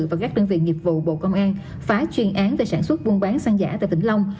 và các đơn vị nghiệp vụ bộ công an phá chuyên án về sản xuất buôn bán xăng giả tại vĩnh long